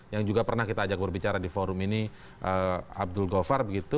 yang juga pernah kita ajak berbicara di forum ini abdul govar begitu